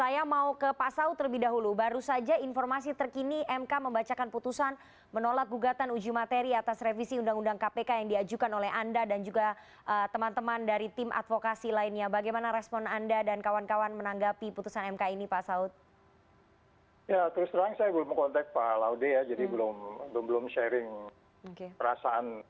ya terus terang saya belum mengontek pak laude ya jadi belum sharing perasaan pak laude dan pak bus